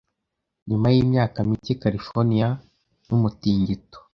Nyuma yimyaka mike Californiya numutingito